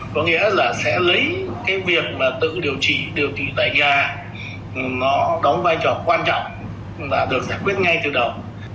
có nghĩa là sẽ lấy cái việc mà tự điều trị điều trị tại nhà nó đóng vai trò quan trọng và được giải quyết ngay từ đầu